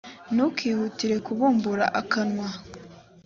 ntukihutire kubumbura akanwa